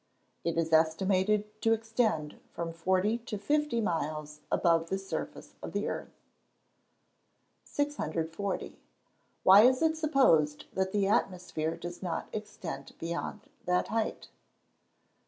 _ It is estimated to extend to from forty to fifty miles above the surface of the earth. 640. _Why is it supposed that the atmosphere does not extend beyond that height?